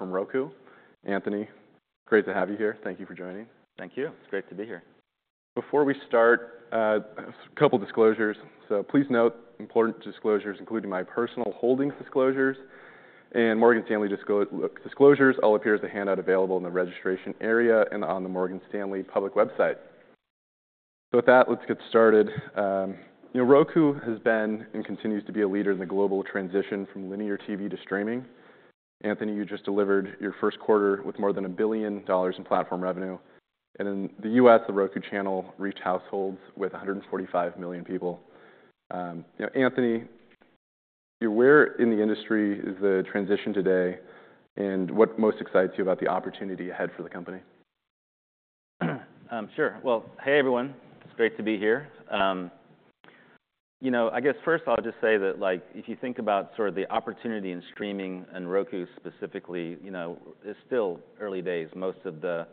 From Roku. Anthony, great to have you here. Thank you for joining. Thank you. It's great to be here. Before we start, a couple disclosures. So please note important disclosures, including my personal holdings disclosures and Morgan Stanley disclosures. All appear as a handout available in the registration area and on the Morgan Stanley public website. So with that, let's get started. You know, Roku has been and continues to be a leader in the global transition from linear TV to streaming. Anthony, you just delivered your first quarter with more than $1 billion in platform revenue. And in the U.S., The Roku Channel reached households with 145 million people. You know, Anthony, you know, where in the industry is the transition today? And what most excites you about the opportunity ahead for the company? Sure. Well, hey, everyone. It's great to be here. You know, I guess first I'll just say that, like, if you think about sort of the opportunity in streaming and Roku specifically, you know, it's still early days. Most of the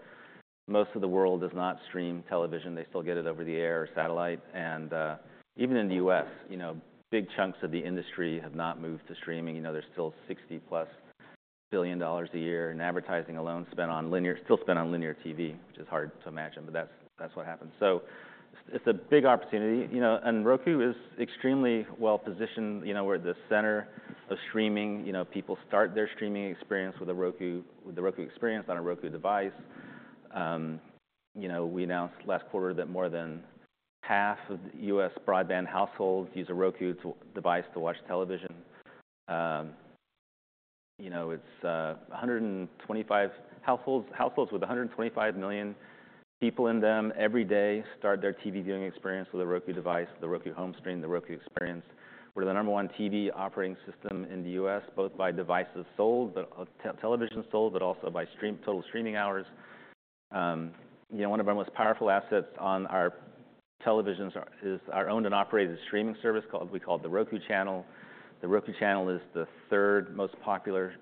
world does not stream television. They still get it over the air or satellite. And, even in the U.S., you know, big chunks of the industry have not moved to streaming. You know, there's still $60+ billion a year in advertising alone spent on linear TV, which is hard to imagine, but that's what happens. So it's a big opportunity, you know. And Roku is extremely well-positioned, you know, we're at the center of streaming. You know, people start their streaming experience with a Roku with the Roku experience on a Roku device. You know, we announced last quarter that more than half of the U.S. broadband households use a Roku device to watch television. You know, it's 125 million households with 125 million people in them every day start their TV viewing experience with a Roku device, the Roku home screen, the Roku experience. We're the number one TV operating system in the U.S., both by devices sold, but televisions sold, but also by total streaming hours. You know, one of our most powerful assets on our televisions is our owned and operated streaming service called. We call it The Roku Channel. The Roku Channel is the third most popular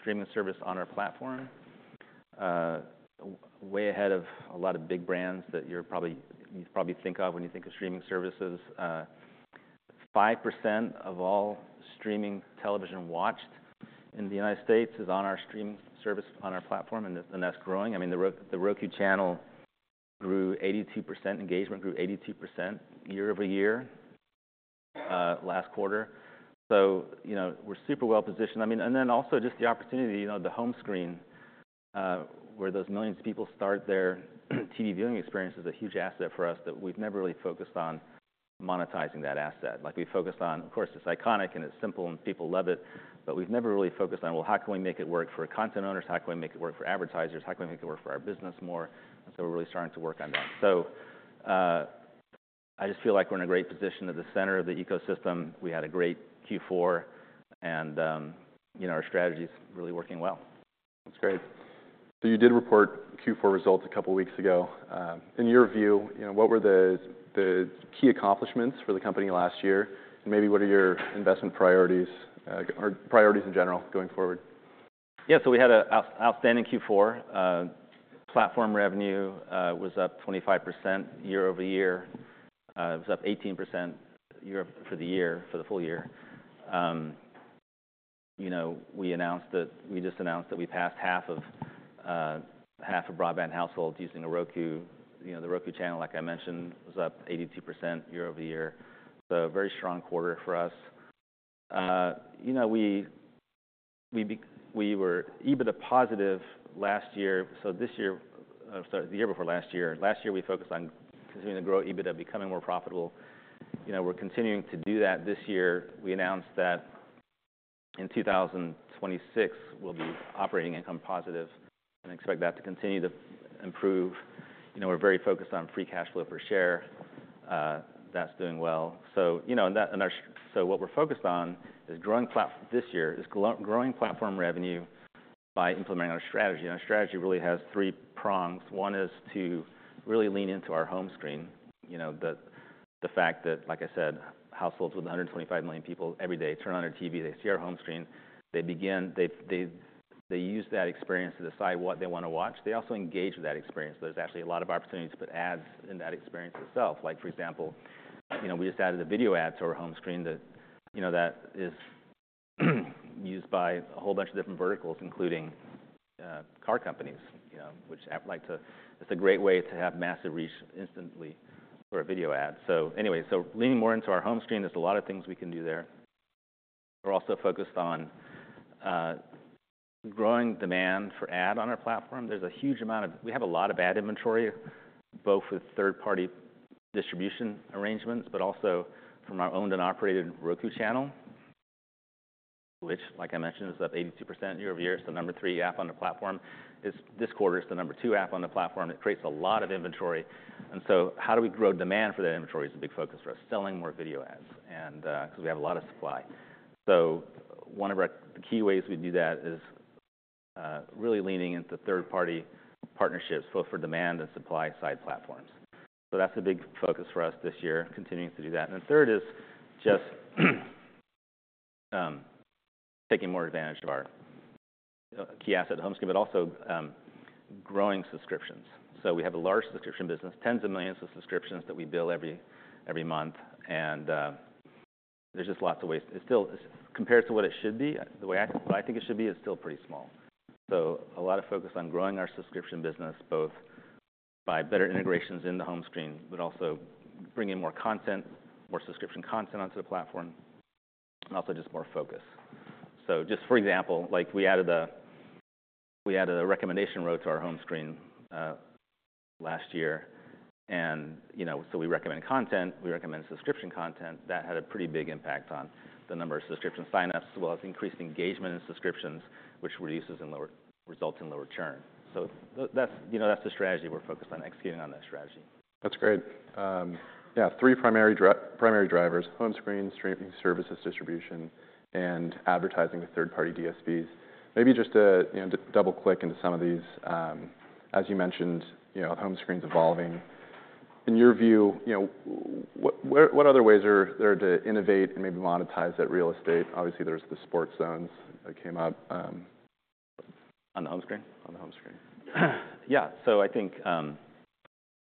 streaming service on our platform, way ahead of a lot of big brands that you probably think of when you think of streaming services. 5% of all streaming television watched in the United States is on our streaming service on our platform, and that's growing. I mean, The Roku Channel grew 82%. Engagement grew 82% year-over-year, last quarter. So, you know, we're super well-positioned. I mean, and then also just the opportunity, you know, the home screen, where those millions of people start their TV viewing experience is a huge asset for us that we've never really focused on monetizing that asset. Like, we focused on, of course, it's iconic and it's simple and people love it, but we've never really focused on, well, how can we make it work for content owners? How can we make it work for advertisers? How can we make it work for our business more? And so we're really starting to work on that. So, I just feel like we're in a great position at the center of the ecosystem. We had a great Q4, and, you know, our strategy's really working well. That's great. So you did report Q4 results a couple weeks ago. In your view, you know, what were the key accomplishments for the company last year, and maybe what are your investment priorities, or priorities in general going forward? Yeah. So we had an outstanding Q4. Platform revenue was up 25% year-over-year. It was up 18% year, for the year, for the full year. You know, we announced that we passed half of broadband households using Roku. You know, The Roku Channel, like I mentioned, was up 82% year-over-year. So a very strong quarter for us. You know, we were EBITDA positive last year, the year before last year. Last year, we focused on continuing to grow EBITDA, becoming more profitable. You know, we're continuing to do that. This year, we announced that in 2026, we'll be operating income positive and expect that to continue to improve. You know, we're very focused on free cash flow per share. That's doing well. You know, what we're focused on is growing platform revenue this year by implementing our strategy. Our strategy really has three prongs. One is to really lean into our home screen. You know, the fact that, like I said, households with 125 million people every day turn on their TV, they see our home screen, they begin they use that experience to decide what they want to watch. They also engage with that experience. There's actually a lot of opportunities to put ads in that experience itself. Like, for example, you know, we just added a video ad to our home screen that, you know, that is used by a whole bunch of different verticals, including car companies, you know, which I like. It's a great way to have massive reach instantly for a video ads. So anyway, so leaning more into our home screen, there's a lot of things we can do there. We're also focused on growing demand for ad on our platform. There's a huge amount of. We have a lot of ad inventory, both with third-party distribution arrangements, but also from our owned and operated Roku Channel, which, like I mentioned, is up 82% year-over-year. It's the number three app on the platform. This quarter, it's the number two app on the platform. It creates a lot of inventory. And so how do we grow demand for that inventory is a big focus for us, selling more video ads and, because we have a lot of supply. So one of our key ways we do that is really leaning into third-party partnerships, both for demand and supply-side platforms. That's a big focus for us this year, continuing to do that. The third is just taking more advantage of our key asset, the home screen, but also growing subscriptions. We have a large subscription business, tens of millions of subscriptions that we bill every month. There's just lots of ways it's still compared to what it should be, the way I think it should be, it's still pretty small. A lot of focus on growing our subscription business, both by better integrations in the home screen, but also bringing more content, more subscription content onto the platform, and also just more focus. Just, for example, like, we added a recommendation row to our home screen last year. You know, so we recommend content. We recommend subscription content. That had a pretty big impact on the number of subscription sign-ups as well as increased engagement in subscriptions, which reduces and lower results in lower churn. So that's you know, that's the strategy we're focused on executing on that strategy. That's great. Yeah, three primary drivers: home screen, streaming services, distribution, and advertising with third-party DSPs. Maybe just to, you know, double-click into some of these, as you mentioned, you know, home screens evolving. In your view, you know, what other ways are there to innovate and maybe monetize that real estate? Obviously, there's the Sports Zones that came up. On the home screen? On the home screen. Yeah. So I think,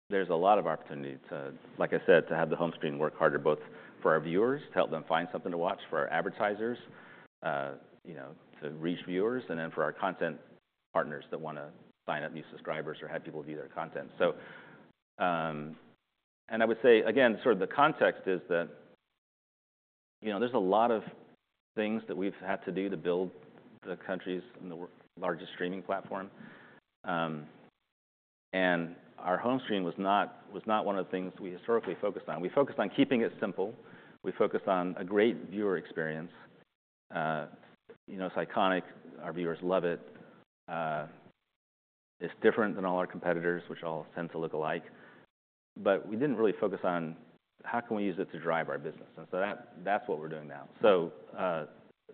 there's a lot of opportunity to, like I said, to have the home screen work harder, both for our viewers to help them find something to watch, for our advertisers, you know, to reach viewers, and then for our content partners that want to sign up new subscribers or have people view their content. So, and I would say, again, sort of the context is that, you know, there's a lot of things that we've had to do to build the country's largest streaming platform, and our home screen was not one of the things we historically focused on. We focused on keeping it simple. We focused on a great viewer experience, you know. It's iconic. Our viewers love it. It's different than all our competitors, which all tend to look alike. But we didn't really focus on how can we use it to drive our business. And so that's what we're doing now. So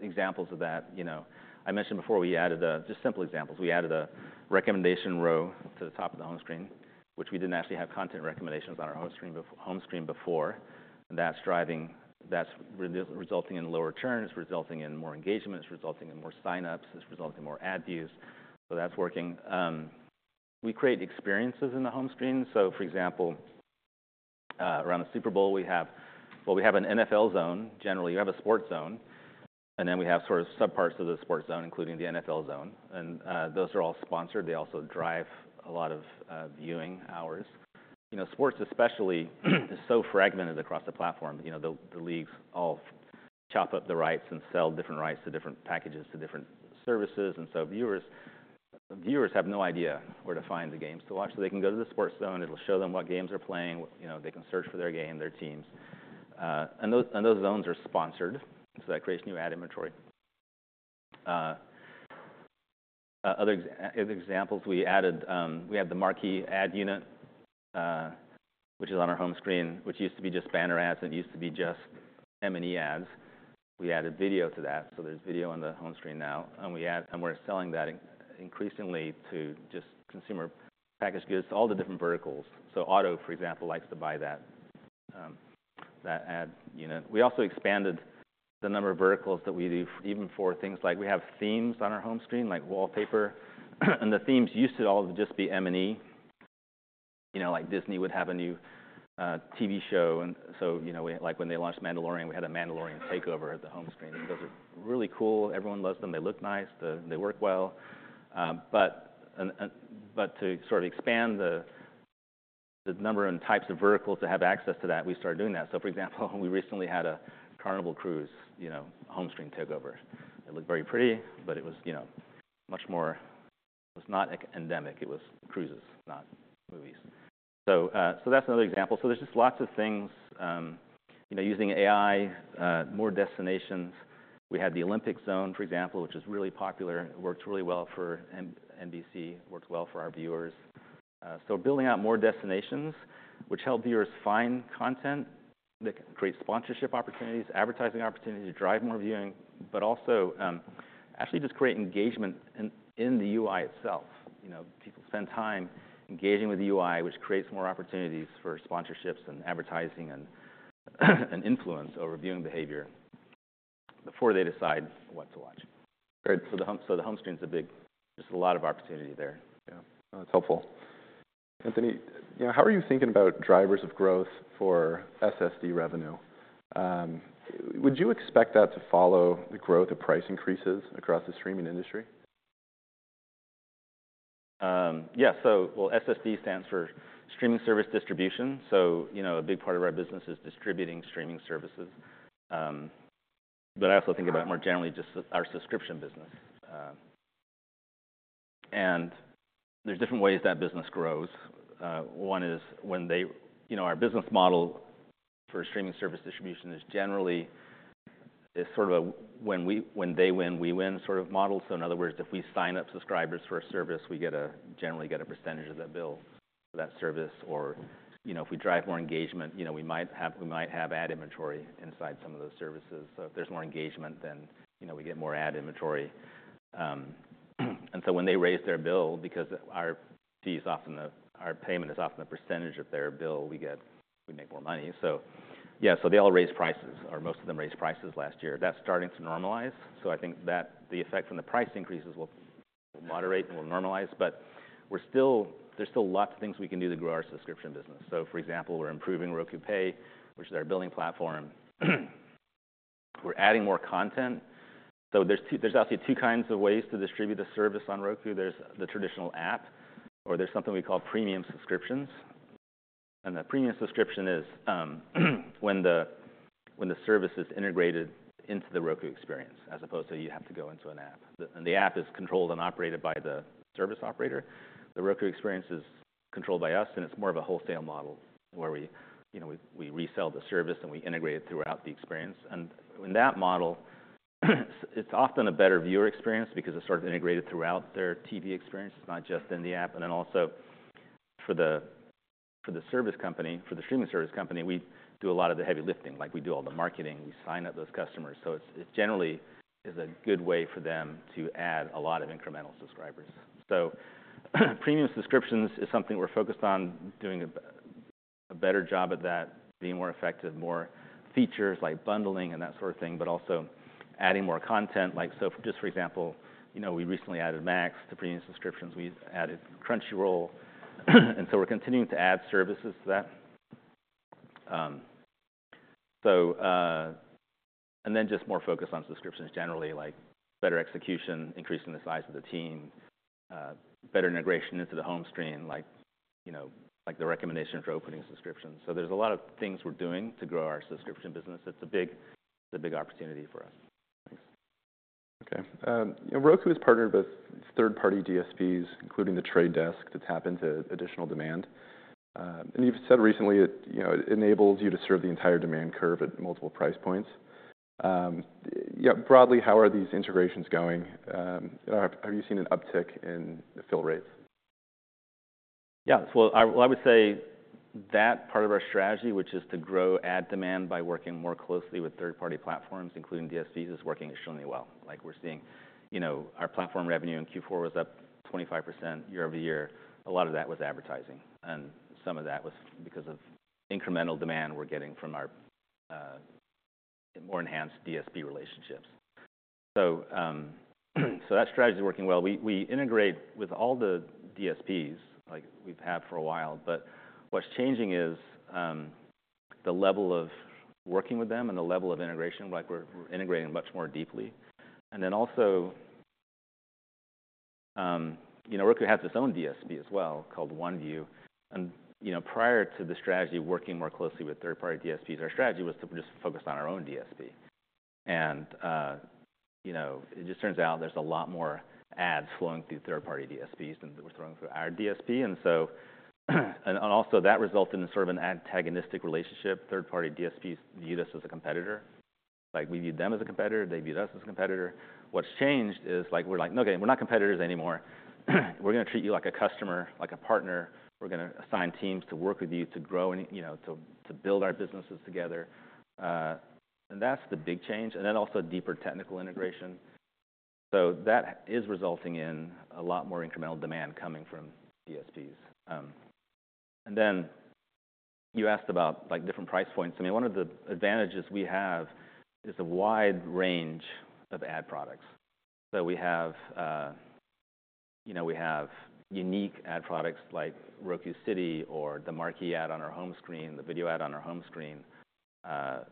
examples of that, you know, I mentioned before we added just simple examples. We added a recommendation row to the top of the home screen, which we didn't actually have content recommendations on our home screen before. And that's driving. That's resulting in lower churn. It's resulting in more engagement. It's resulting in more sign-ups. It's resulting in more ad views. So that's working. We create experiences in the home screen. So for example, around the Super Bowl, we have an NFL Zone. Generally, you have a Sports Zone. And then we have sort of subparts of the Sports Zone, including the NFL Zone. And those are all sponsored. They also drive a lot of viewing hours. You know, sports especially is so fragmented across the platform. You know, the leagues all chop up the rights and sell different rights to different packages, to different services, and so viewers have no idea where to find the games to watch. So they can go to the Sports Zone. It'll show them what games are playing. You know, they can search for their game, their teams, and those zones are sponsored. So that creates new ad inventory. Other examples, we had the Marquee ad unit, which is on our home screen, which used to be just banner ads. It used to be just M&E ads. We added video to that. So there's video on the home screen now, and we're selling that increasingly to just consumer packaged goods, all the different verticals. So auto, for example, likes to buy that ad unit. We also expanded the number of verticals that we do even for things like we have themes on our home screen, like wallpaper. And the themes used to all just be M&E. You know, like Disney would have a new TV show. And so, you know, we like when they launched Mandalorian, we had a Mandalorian takeover at the home screen. Those are really cool. Everyone loves them. They look nice. They work well. But to sort of expand the number and types of verticals to have access to that, we started doing that. So, for example, we recently had a Carnival Cruise home screen takeover. It looked very pretty, but it was, you know, much more. It was not endemic. It was cruises, not movies. So that's another example. So there's just lots of things, you know, using AI, more destinations. We had the Olympic Zone, for example, which is really popular. It worked really well for NBC, worked well for our viewers. So building out more destinations, which help viewers find content that creates sponsorship opportunities, advertising opportunities to drive more viewing, but also, actually just create engagement in the UI itself. You know, people spend time engaging with the UI, which creates more opportunities for sponsorships and advertising and influence over viewing behavior before they decide what to watch. Great. So the home screen's a big, just a lot of opportunity there. Yeah. That's helpful. Anthony, you know, how are you thinking about drivers of growth for SSD revenue? Would you expect that to follow the growth of price increases across the streaming industry? Yeah. So, well, SSD stands for Streaming Service Distribution. So, you know, a big part of our business is distributing streaming services. But I also think about more generally just our subscription business. And there's different ways that business grows. One is when they, you know, our business model for streaming service distribution is generally sort of a when they win, we win sort of model. So in other words, if we sign up subscribers for a service, we get generally a percentage of that bill for that service. Or, you know, if we drive more engagement, you know, we might have ad inventory inside some of those services. So if there's more engagement, then, you know, we get more ad inventory. And so when they raise their bill, because our fees are often our payment is often the percentage of their bill, we make more money. So yeah, they all raised prices, or most of them raised prices last year. That's starting to normalize. So I think that the effect from the price increases will moderate and normalize. But we're still; there's still lots of things we can do to grow our subscription business. So, for example, we're improving Roku Pay, which is our billing platform. We're adding more content. So there's actually two kinds of ways to distribute the service on Roku. There's the traditional app, or there's something we call premium subscriptions. And the premium subscription is when the service is integrated into the Roku experience as opposed to you have to go into an app. The app is controlled and operated by the service operator. The Roku experience is controlled by us, and it's more of a wholesale model where we, you know, we resell the service and we integrate it throughout the experience. In that model, it's often a better viewer experience because it's sort of integrated throughout their TV experience. It's not just in the app. Then also for the service company for the streaming service company, we do a lot of the heavy lifting. Like, we do all the marketing. We sign up those customers. It's generally is a good way for them to add a lot of incremental subscribers. Premium subscriptions is something we're focused on doing a better job at that, being more effective, more features like bundling and that sort of thing, but also adding more content. Like, so just, for example, you know, we recently added Max to premium subscriptions. We added Crunchyroll. And so we're continuing to add services to that. So, and then just more focus on subscriptions generally, like better execution, increasing the size of the team, better integration into the home screen, like, you know, like the recommendation for opening subscriptions. So there's a lot of things we're doing to grow our subscription business. It's a big opportunity for us. Thanks. Okay. You know, Roku has partnered with third-party DSPs, including The Trade Desk, to tap into additional demand. And you've said recently it, you know, it enables you to serve the entire demand curve at multiple price points. Yeah, broadly, how are these integrations going? Have you seen an uptick in fill rates? Yeah. Well, I would say that part of our strategy, which is to grow ad demand by working more closely with third-party platforms, including DSPs, is working extremely well. Like, we're seeing, you know, our platform revenue in Q4 was up 25% year-over year. A lot of that was advertising. And some of that was because of incremental demand we're getting from our more enhanced DSP relationships. So that strategy is working well. We integrate with all the DSPs, like we've had for a while. But what's changing is the level of working with them and the level of integration. Like, we're integrating much more deeply. And then also, you know, Roku has its own DSP as well called OneView. And, you know, prior to the strategy of working more closely with third-party DSPs, our strategy was to just focus on our own DSP. You know, it just turns out there's a lot more ads flowing through third-party DSPs than we're throwing through our DSP. So also that resulted in sort of an antagonistic relationship. Third-party DSPs viewed us as a competitor. Like, we viewed them as a competitor. They viewed us as a competitor. What's changed is, like, we're like, "No, okay. We're not competitors anymore. We're going to treat you like a customer, like a partner. We're going to assign teams to work with you to grow and, you know, to build our businesses together." And that's the big change. Then also deeper technical integration. So that is resulting in a lot more incremental demand coming from DSPs. Then you asked about, like, different price points. I mean, one of the advantages we have is a wide range of ad products. So we have, you know, we have unique ad products like Roku City or the Marquee ad on our home screen, the video ad on our home screen,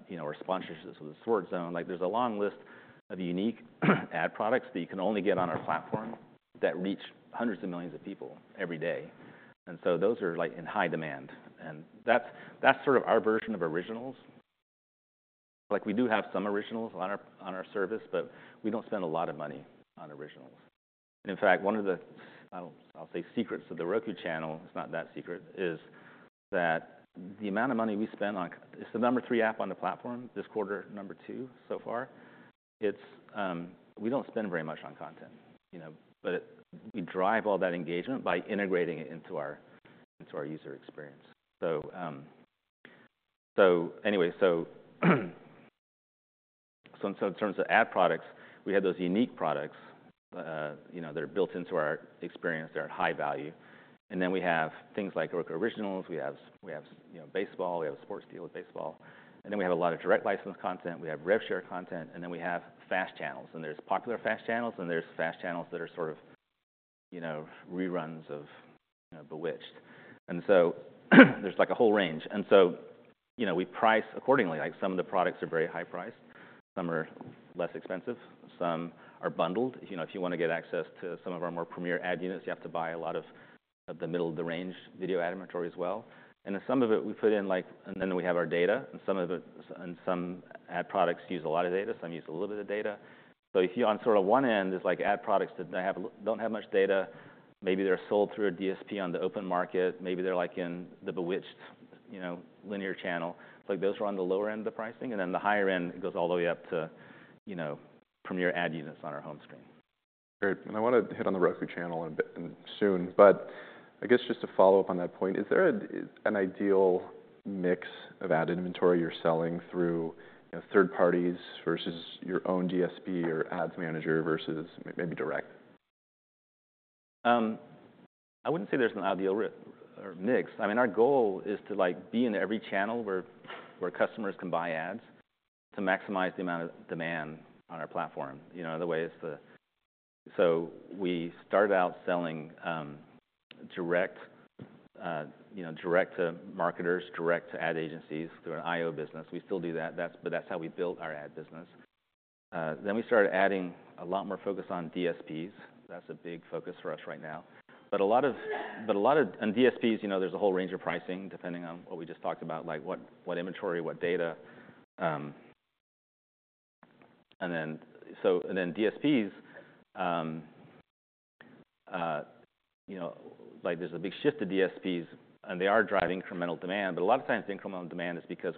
you know, or sponsorships with the Sports Zone. Like, there's a long list of unique ad products that you can only get on our platform that reach hundreds of millions of people every day. And so those are, like, in high demand. And that's sort of our version of originals. Like, we do have some originals on our service, but we don't spend a lot of money on originals. In fact, one of the, I'll say, secrets of The Roku Channel - it's not that secret - is that the amount of money we spend on it's the number three app on the platform, this quarter number two so far. It's. We don't spend very much on content, you know, but we drive all that engagement by integrating it into our user experience. So anyway, and so in terms of ad products, we have those unique products, you know, that are built into our experience. They're at high value. And then we have things like Roku Originals. We have, you know, baseball. We have a sports deal with baseball. And then we have a lot of direct license content. We have rev share content. And then we have FAST channels. And there's popular FAST channels, and there's FAST channels that are sort of, you know, reruns of, you know, Bewitched. And so there's, like, a whole range. And so, you know, we price accordingly. Like, some of the products are very high priced. Some are less expensive. Some are bundled. You know, if you want to get access to some of our more premier ad units, you have to buy a lot of the middle-of-the-range video ad inventory as well. Then some of it, we put in, like, and then we have our data. Some of it, some ad products use a lot of data. Some use a little bit of data. If you on sort of one end, there's, like, ad products that don't have much data. Maybe they're sold through a DSP on the open market. Maybe they're, like, in the Bewitched, you know, linear channel. Like, those are on the lower end of the pricing. Then the higher end goes all the way up to, you know, premier ad units on our home screen. Great. And I want to hit on The Roku Channel in a bit soon. But I guess just to follow up on that point, is there an ideal mix of ad inventory you're selling through, you know, third parties versus your own DSP or Ads Manager versus maybe direct? I wouldn't say there's an ideal mix. I mean, our goal is to, like, be in every channel where customers can buy ads to maximize the amount of demand on our platform. You know, in other words, so we started out selling direct, you know, direct to marketers, direct to ad agencies through an IO business. We still do that. That's how we built our ad business. Then we started adding a lot more focus on DSPs. That's a big focus for us right now. But a lot of DSPs, you know, there's a whole range of pricing depending on what we just talked about, like what inventory, what data. And then DSPs, you know, like, there's a big shift to DSPs, and they are driving incremental demand. But a lot of times, the incremental demand is because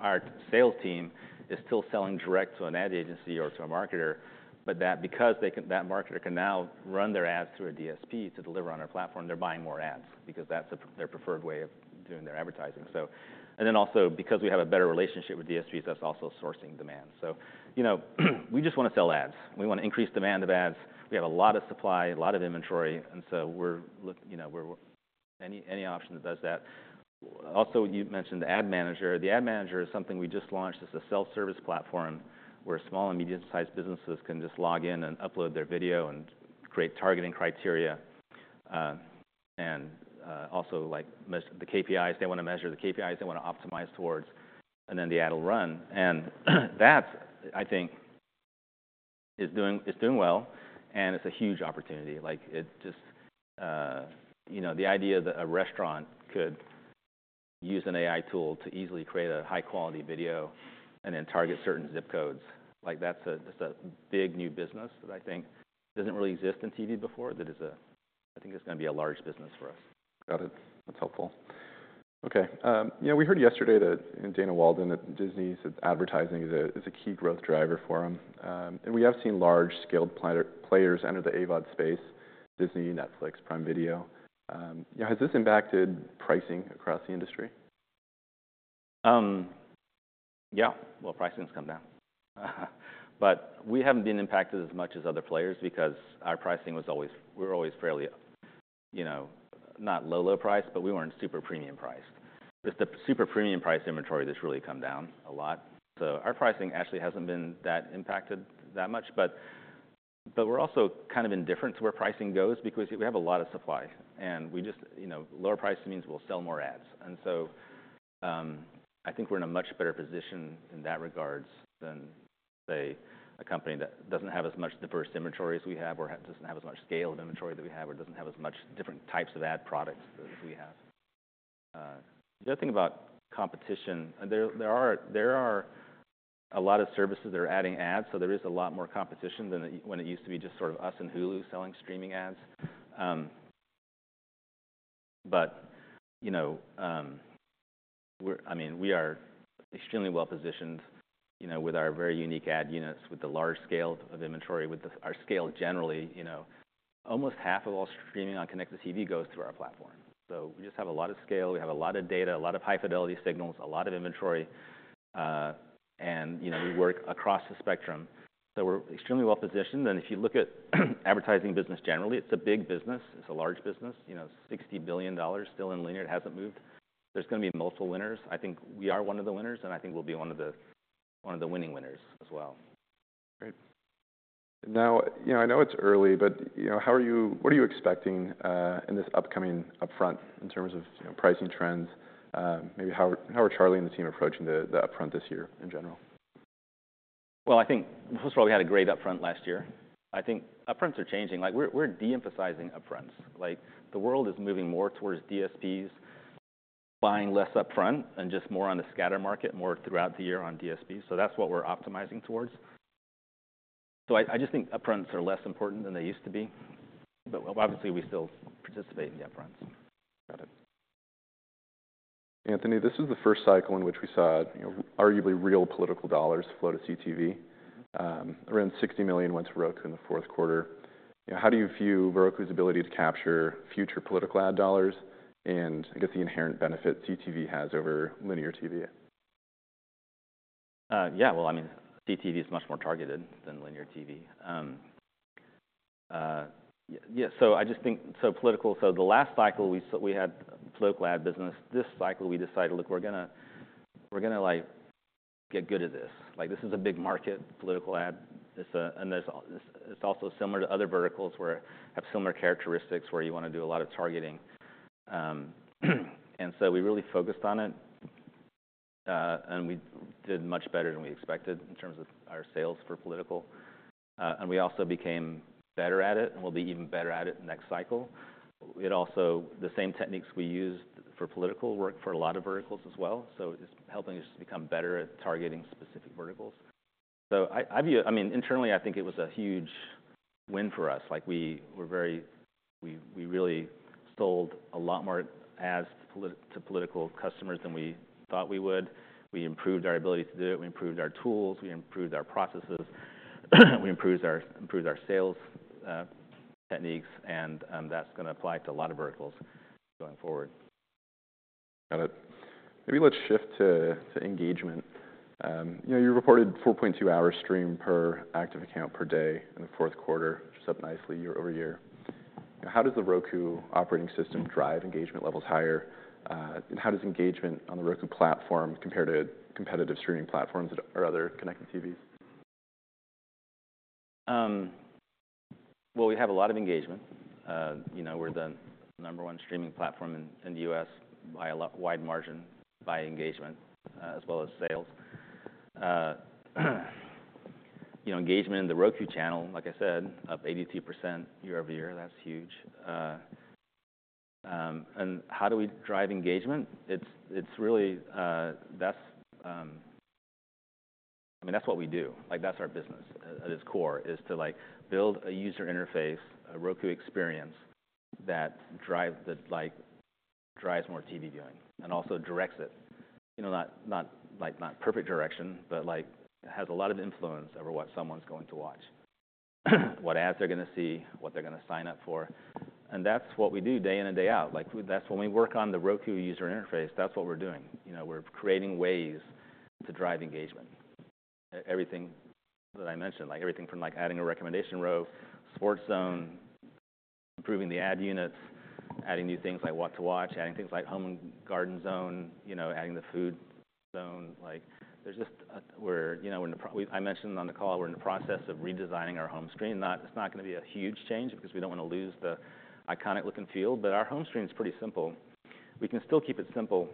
our sales team is still selling direct to an ad agency or to a marketer, but because they can, that marketer can now run their ads through a DSP to deliver on our platform, they're buying more ads because that's their preferred way of doing their advertising. So and then also, because we have a better relationship with DSPs, that's also sourcing demand. So, you know, we just want to sell ads. We want to increase demand of ads. We have a lot of supply, a lot of inventory. And so we're looking, you know, we're any option that does that. Also, you mentioned the Ad Manager. The Ad Manager is something we just launched as a self-service platform where small and medium-sized businesses can just log in and upload their video and create targeting criteria. And, also, like, most of the KPIs, they want to measure the KPIs they want to optimize towards, and then the ad will run. And that, I think, is doing well. And it's a huge opportunity. Like, it just, you know, the idea that a restaurant could use an AI tool to easily create a high-quality video and then target certain zip codes, like, that's a big new business that I think doesn't really exist in TV before. That is. I think it's going to be a large business for us. Got it. That's helpful. Okay. You know, we heard yesterday that, you know, Dana Walden, that Disney's advertising is a key growth driver for them. We have seen large-scale players enter the AVOD space: Disney, Netflix, Prime Video. You know, has this impacted pricing across the industry? Yeah, well, pricing's come down, but we haven't been impacted as much as other players because our pricing was always we were always fairly, you know, not low, low priced, but we weren't super premium priced. It's the super premium price inventory that's really come down a lot, so our pricing actually hasn't been that impacted that much, but we're also kind of indifferent to where pricing goes because we have a lot of supply. And we just, you know, lower price means we'll sell more ads, and so, I think we're in a much better position in that regards than, say, a company that doesn't have as much diverse inventory as we have or doesn't have as much scale of inventory that we have or doesn't have as much different types of ad products as we have. The other thing about competition, there are a lot of services that are adding ads. So there is a lot more competition than when it used to be just sort of us and Hulu selling streaming ads. But, you know, we're, I mean, we are extremely well-positioned, you know, with our very unique ad units, with the large scale of inventory, with our scale generally. You know, almost half of all streaming on connected TV goes through our platform. So we just have a lot of scale. We have a lot of data, a lot of high-fidelity signals, a lot of inventory. And, you know, we work across the spectrum. So we're extremely well-positioned. And if you look at advertising business generally, it's a big business. It's a large business. You know, $60 billion still in linear. It hasn't moved. There's going to be multiple winners. I think we are one of the winners, and I think we'll be one of the winners as well. Great. Now, you know, I know it's early, but, you know, how are you? What are you expecting in this upcoming Upfront in terms of, you know, pricing trends? Maybe how are Charlie and the team approaching the upfront this year in general? Well, I think first of all, we had a great Upfront last year. I think Upfronts are changing. Like, we're de-emphasizing Upfronts. Like, the world is moving more towards DSPs, buying less upfront and just more on the scatter market, more throughout the year on DSPs. So that's what we're optimizing towards. So I just think Upfronts are less important than they used to be. But, well, obviously, we still participate in the Upfronts. Got it. Anthony, this is the first cycle in which we saw, you know, arguably real political dollars flow to CTV. Around $60 million went to Roku in the fourth quarter. You know, how do you view Roku's ability to capture future political ad dollars and, I guess, the inherent benefit CTV has over linear TV? Yeah. Well, I mean, CTV is much more targeted than linear TV. Yeah. So, I just think it's so political. So the last cycle, we had political ad business. This cycle, we decided, "Look, we're going to, like, get good at this." Like, this is a big market, political ad. It's also similar to other verticals where we have similar characteristics where you want to do a lot of targeting. So we really focused on it. We did much better than we expected in terms of our sales for political. We also became better at it and will be even better at it next cycle. The same techniques we used for political work for a lot of verticals as well. So it's helping us become better at targeting specific verticals. So I view, I mean, internally, I think it was a huge win for us. Like, we really sold a lot more ads to political customers than we thought we would. We improved our ability to do it. We improved our tools. We improved our processes. We improved our sales techniques. And that's going to apply to a lot of verticals going forward. Got it. Maybe let's shift to engagement. You know, you reported 4.2 hours streamed per active account per day in the fourth quarter, which is up nicely year over year. You know, how does the Roku operating system drive engagement levels higher? And how does engagement on the Roku platform compare to competitive streaming platforms or other connected TVs? Well, we have a lot of engagement. You know, we're the number one streaming platform in the U.S. by a wide margin by engagement, as well as sales. You know, engagement in The Roku Channel, like I said, up 82% year-over-year. That's huge. How do we drive engagement? It's really, that's, I mean, that's what we do. Like, that's our business at its core is to, like, build a user interface, a Roku experience that drive that, like, drives more TV viewing and also directs it. You know, not, like, not perfect direction, but, like, has a lot of influence over what someone's going to watch, what ads they're going to see, what they're going to sign up for. And that's what we do day in and day out. Like, that's when we work on the Roku user interface, that's what we're doing. You know, we're creating ways to drive engagement. Everything that I mentioned, like everything from, like, adding a recommendation row, Sports Zone, improving the ad units, adding new things like What to Watch, adding things like Home & Garden Zone, you know, adding the Food Zone. Like, there's just, we're, you know, we're in the. I mentioned on the call. We're in the process of redesigning our home screen. It's not going to be a huge change because we don't want to lose the iconic-looking feel. But our home screen is pretty simple. We can still keep it simple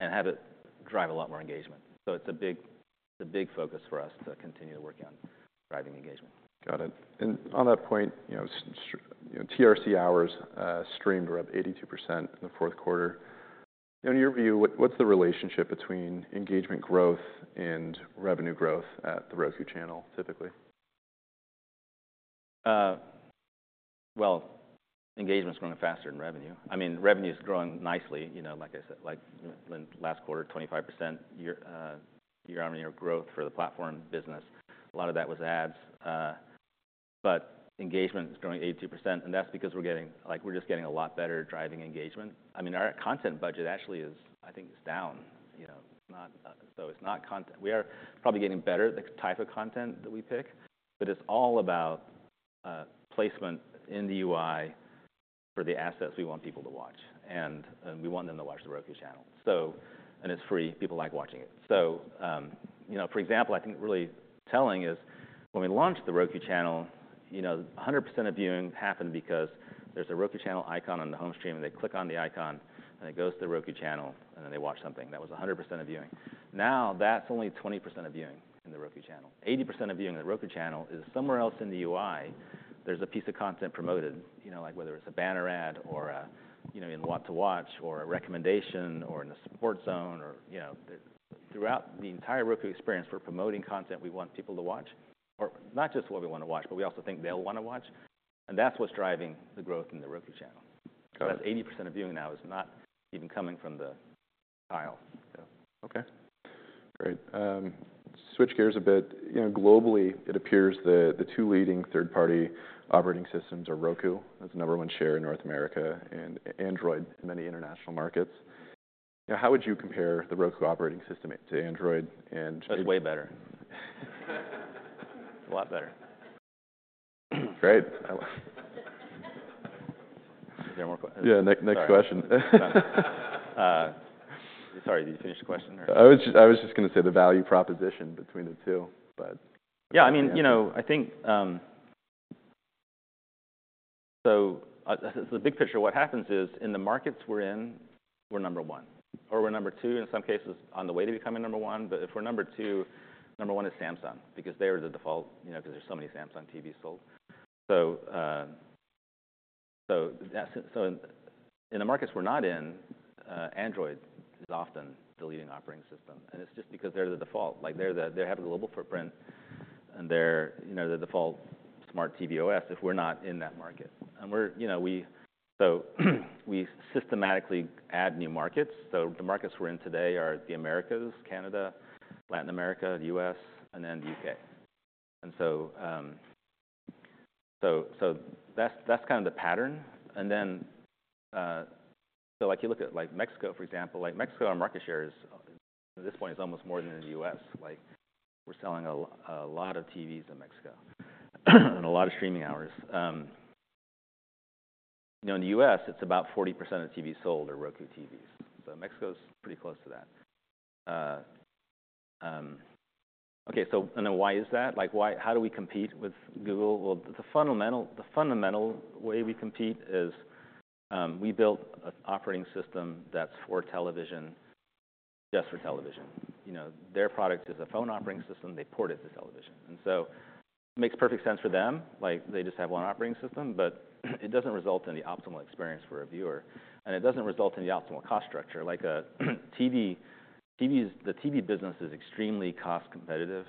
and have it drive a lot more engagement. So it's a big focus for us to continue to work on driving engagement. Got it. And on that point, you know, you know, TRC hours streamed were up 82% in the fourth quarter. You know, in your view, what's the relationship between engagement growth and revenue growth at The Roku Channel typically? Well, engagement's growing faster than revenue. I mean, revenue's growing nicely. You know, like I said, like, last quarter, 25% year-on-year growth for the platform business. A lot of that was ads, but engagement is growing 82%, and that's because we're getting like, we're just getting a lot better at driving engagement. I mean, our content budget actually is, I think, is down, you know, not so it's not content. We are probably getting better at the type of content that we pick, but it's all about placement in the UI for the assets we want people to watch, and we want them to watch The Roku Channel, so and it's free. People like watching it, so, you know, for example, I think really telling is when we launched The Roku Channel, you know, 100% of viewing happened because there's a Roku Channel icon on the home screen. They click on the icon, and it goes to The Roku Channel, and then they watch something. That was 100% of viewing. Now, that's only 20% of viewing in The Roku Channel. 80% of viewing in The Roku Channel is somewhere else in the UI. There's a piece of content promoted, you know, like whether it's a banner ad or a, you know, in What to Watch or a recommendation or in the Sports Zone or, you know, throughout the entire Roku experience, we're promoting content we want people to watch or not just what we want to watch, but we also think they'll want to watch. And that's what's driving the growth in The Roku Channel. Got it. That's 80% of viewing now is not even coming from the aisle. Okay. Great. Switch gears a bit. You know, globally, it appears that the two leading third-party operating systems are Roku. That's the number one share in North America and Android in many international markets. You know, how would you compare the Roku operating system to Android and. That's way better. It's a lot better. Great. Is there more questions? Yeah. Next question. Sorry. Did you finish the question? I was just going to say the value proposition between the two, but. Yeah. I mean, you know, I think, so the big picture, what happens is in the markets we're in, we're number one. Or we're number two in some cases on the way to becoming number one. But if we're number two, number one is Samsung because they are the default, you know, because there's so many Samsung TVs sold. So that's in the markets we're not in, Android is often the leading operating system. And it's just because they're the default. Like, they have a global footprint, and they're, you know, the default smart TV OS if we're not in that market. And we're, you know, we systematically add new markets. So the markets we're in today are the Americas, Canada, Latin America, the U.S., and then the U.K. And so that's kind of the pattern. And then, so like, you look at, like, Mexico, for example. Like, Mexico's market share at this point is almost more than the U.S.. Like, we're selling a lot of TVs in Mexico and a lot of streaming hours, you know. In the U.S., it's about 40% of TVs sold are Roku TVs. So Mexico's pretty close to that. Okay. So and then why is that? Like, why, how do we compete with Google? Well, the fundamental way we compete is, we built an operating system that's for television, just for television. You know, their product is a phone operating system. They port it to television. And so it makes perfect sense for them. Like, they just have one operating system. But it doesn't result in the optimal experience for a viewer. And it doesn't result in the optimal cost structure. Like, a TV. TV's the TV business is extremely cost-competitive.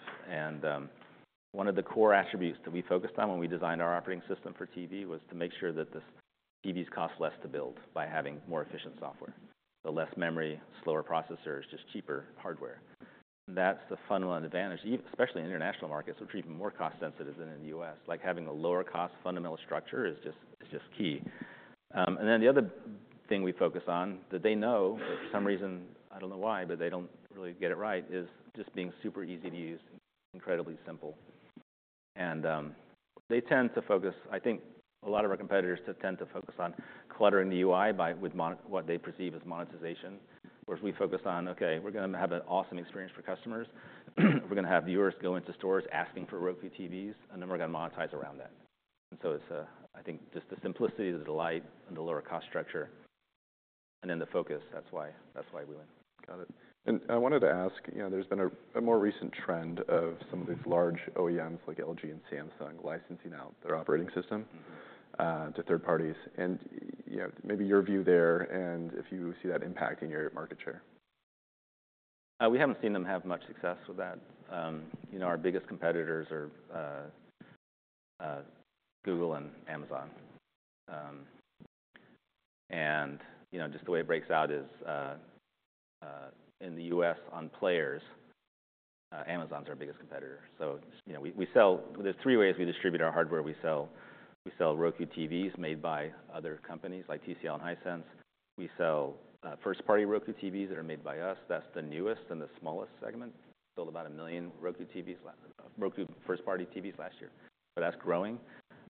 One of the core attributes that we focused on when we designed our operating system for TV was to make sure that these TVs cost less to build by having more efficient software, so less memory, slower processors, just cheaper hardware. And that's the fundamental advantage, especially in international markets, which are even more cost-sensitive than in the U.S.. Like, having a lower-cost fundamental structure is just key. And then the other thing we focus on that they know for some reason, I don't know why, but they don't really get it right, is just being super easy to use, incredibly simple. I think a lot of our competitors tend to focus on cluttering the UI with what they perceive as monetization, whereas we focus on, okay, we're going to have an awesome experience for customers. We're going to have viewers go into stores asking for Roku TVs, and then we're going to monetize around that. So it's, I think, just the simplicity, the delight, and the lower-cost structure, and then the focus. That's why we win. Got it. And I wanted to ask, you know, there's been a more recent trend of some of these large OEMs like LG and Samsung licensing out their operating system to third parties. And, you know, maybe your view there and if you see that impacting your market share? We haven't seen them have much success with that. You know, our biggest competitors are Google and Amazon. You know, just the way it breaks out is, in the U.S. on players, Amazon's our biggest competitor. So, you know, we sell. There's three ways we distribute our hardware. We sell Roku TVs made by other companies like TCL and Hisense. We sell first-party Roku TVs that are made by us. That's the newest and the smallest segment. Built about a million Roku TVs Roku first-party TVs last year. But that's growing.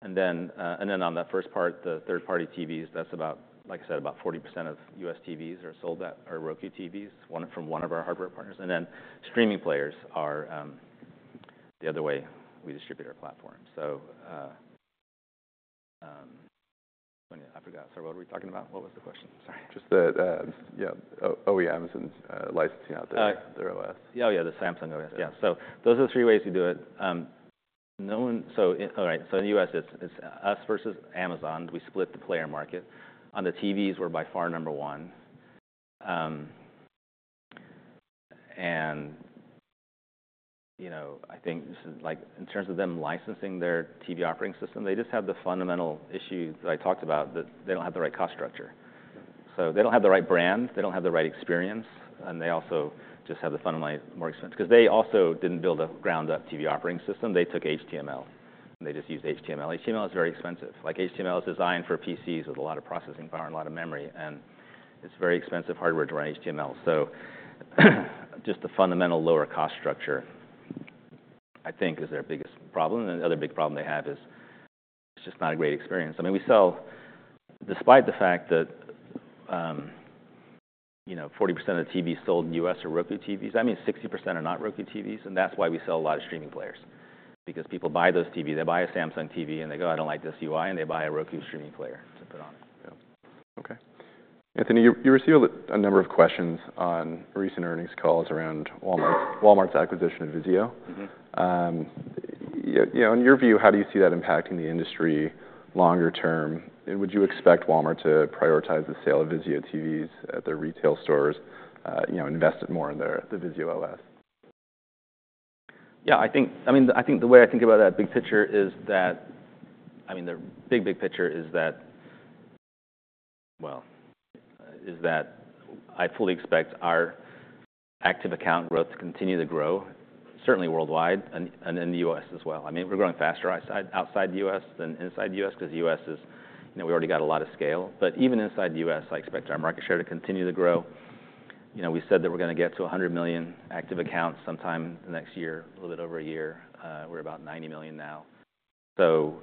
And then on that first part, the third-party TVs, that's about, like I said, about 40% of U.S. TVs are sold as our Roku TVs from one of our hardware partners. And then streaming players are the other way we distribute our platform. So, I forgot. Sorry. What were we talking about? What was the question? Sorry. Just that, yeah, OEMs and licensing out their OS. Oh, yeah. The Samsung OS. Yeah. So those are the three ways we do it. All right. So in the U.S., it's us versus Amazon. We split the player market. On the TVs, we're by far number one, and, you know, I think this is, like, in terms of them licensing their TV operating system, they just have the fundamental issue that I talked about, that they don't have the right cost structure. So they don't have the right brand. They don't have the right experience. And they also just have the fundamentally more expensive because they also didn't build a ground-up TV operating system. They took HTML. They just used HTML. HTML is very expensive. Like, HTML is designed for PCs with a lot of processing power and a lot of memory. And it's very expensive hardware to run HTML. So just the fundamental lower-cost structure, I think, is their biggest problem. And the other big problem they have is it's just not a great experience. I mean, we sell despite the fact that, you know, 40% of the TVs sold in the U.S. are Roku TVs. That means 60% are not Roku TVs. And that's why we sell a lot of streaming players because people buy those TVs. They buy a Samsung TV, and they go, "I don't like this UI," and they buy a Roku streaming player to put on it. Yeah. Okay. Anthony, you received a number of questions on recent earnings calls around Walmart's acquisition of Vizio. Mm-hmm. You know, in your view, how do you see that impacting the industry longer term? And would you expect Walmart to prioritize the sale of Vizio TVs at their retail stores, you know, invest it more in the Vizio OS? Yeah. I think the way I think about that big picture is that I mean, the big picture is that I fully expect our active account growth to continue to grow, certainly worldwide and in the U.S. as well. I mean, we're growing faster outside the U.S. than inside the U.S. because the U.S. is you know, we already got a lot of scale. But even inside the U.S., I expect our market share to continue to grow. You know, we said that we're going to get to 100 million active accounts sometime next year, a little bit over a year. We're about 90 million now. So,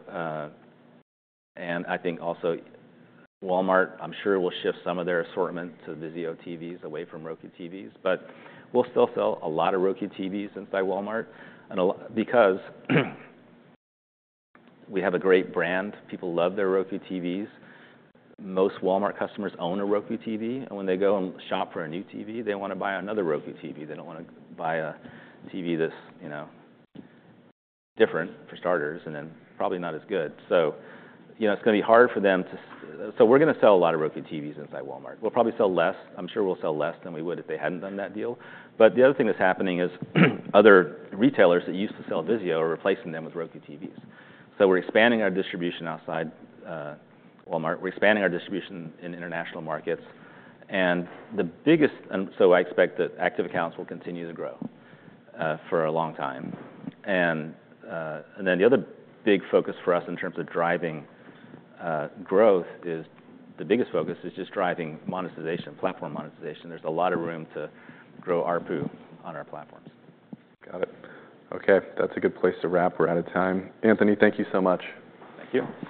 and I think also Walmart, I'm sure, will shift some of their assortment to Vizio TVs away from Roku TVs. We'll still sell a lot of Roku TVs inside Walmart because we have a great brand. People love their Roku TVs. Most Walmart customers own a Roku TV. And when they go and shop for a new TV, they want to buy another Roku TV. They don't want to buy a TV that's, you know, different for starters and then probably not as good. So, you know, it's going to be hard for them, so we're going to sell a lot of Roku TVs inside Walmart. We'll probably sell less. I'm sure we'll sell less than we would if they hadn't done that deal. But the other thing that's happening is other retailers that used to sell Vizio are replacing them with Roku TVs. So we're expanding our distribution outside Walmart. We're expanding our distribution in international markets. I expect that active accounts will continue to grow for a long time. The other big focus for us in terms of driving growth is the biggest focus: just driving monetization, platform monetization. There's a lot of room to grow our ARPU on our platforms. Got it. Okay. That's a good place to wrap. We're out of time. Anthony, thank you so much. Thank you.